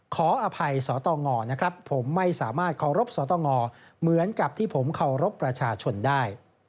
ขออภัยสตงนะครับผมไม่สามารถเคารพสตงเหมือนกับที่ผมเคารพประชาชนได้